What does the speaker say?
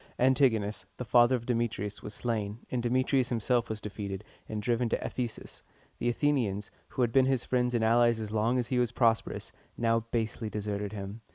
Antigonus, the father of Demetrius, was slain, and Demetrius himself was defeated, and driven to Ephesus. The Athenians, who had been his friends and allies as long as he was prosperous, now basely deserted him.